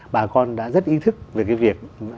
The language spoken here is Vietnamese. bà con đã rất ý thức về cái việc